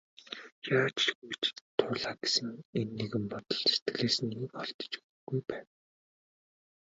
Яаж ч хөөж туулаа гэсэн энэ нэгэн бодол сэтгэлээс нь ер холдож өгөхгүй байв.